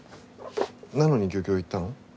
なのに漁協行ったの？